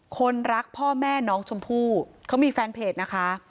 คนรักพ่อแม่น้องชมพู่เขามีแฟนเพจนะคะ